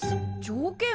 条件？